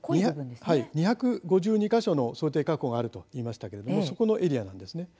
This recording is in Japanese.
２５２か所の想定火口があると言いましたが、そこのエリアです。